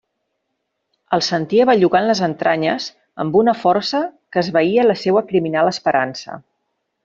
El sentia bellugar en les entranyes amb una força que esvaïa la seua criminal esperança.